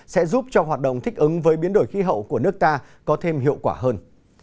sẽ giúp cho hoạt động thích ứng với biến đổi khí hậu của nước ta có thêm hiệu quả hơn